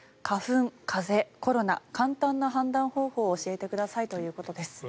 花粉、風邪、コロナ簡単な判断方法を教えてくださいということです。